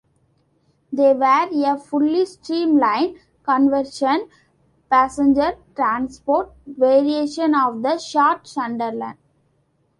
They were a fully streamlined conversion passenger transport variation of the Short Sunderland.